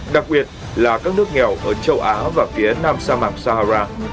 đặc biệt là các nước nghèo ở châu á và phía nam sa mạc sahara